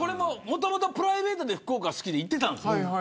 もともとプライベートで福岡好きで行っていたんです。